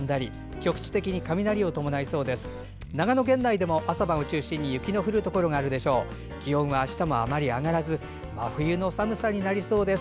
局地的に雷を伴いそうです。